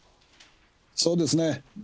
そうですね。